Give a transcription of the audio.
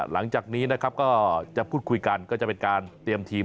หลังจากนี้นะครับก็จะพูดคุยกันก็จะเป็นการเตรียมทีม